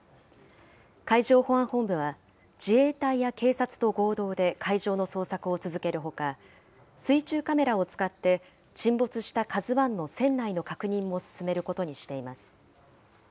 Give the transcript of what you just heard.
海上保安本部は、自衛隊や警察と合同で海上の捜索を続けるほか、水中カメラを使って、沈没したＫＡＺＵＩの船内の確認も進めることにしています。